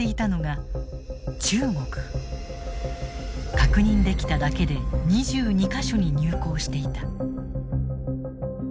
確認できただけで２２か所に入港していた。